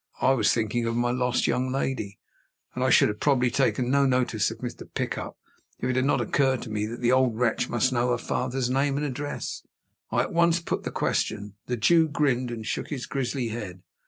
I was thinking of my lost young lady; and I should probably have taken no notice of Mr. Pickup, if it had not occurred to me that the old wretch must know her father's name and address. I at once put the question. The Jew grinned, and shook his grisly head.